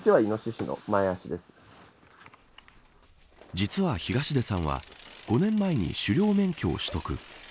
実は東出さんは５年前に狩猟免許を取得。